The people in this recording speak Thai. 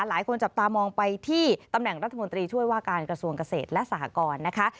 หลายคนจับตามองไปที่ตำแหน่งรัฐมนตรีช่วยว่าการกระทรวงเกษตรและสหกรนะคะ